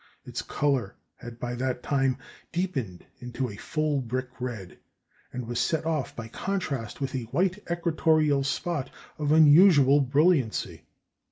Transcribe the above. Its colour had by that time deepened into a full brick red, and was set off by contrast with a white equatorial spot of unusual brilliancy.